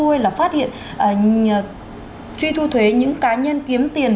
đuôi là phát hiện truy thu thuế những cá nhân kiếm tiền